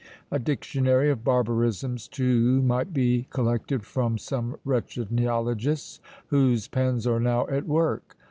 A dictionary of barbarisms too might be collected from some wretched neologists, whose pens are now at work!